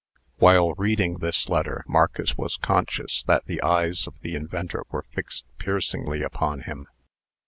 While reading this letter, Marcus was conscious that the eyes of the inventor were fixed piercingly upon him.